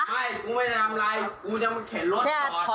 ไม่กูไม่จะทำอะไรกูจะเข้ารถก่อน